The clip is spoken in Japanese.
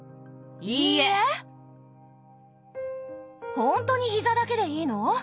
ほんとに膝だけでいいの？